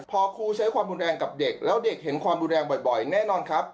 พอครูใช้ความรุนแรงกับเด็กแล้วเด็กเห็นความรุนแรงบ่อยแน่นอนครับ